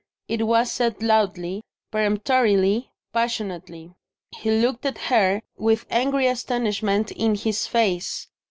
It was said loudly, peremptorily, passionately. He looked at her with angry astonishment in his face.